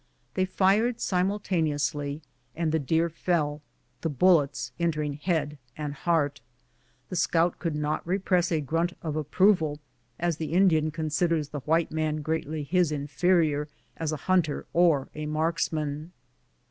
They fired simultaneously, and the deer fell, the bullets en tering head and lieart. The scout could not repress a grunt of approval, as the Indian considers the white man greatly his inferior as a hunter or a marksman.